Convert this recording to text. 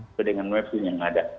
sesuai dengan website yang ada